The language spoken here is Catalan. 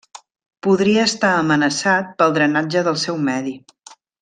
Podria estar amenaçat pel drenatge del seu medi.